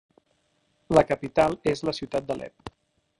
La capital és la ciutat d'Alep.